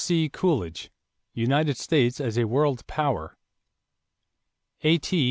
C. Coolidge, United States as a World Power. A.T.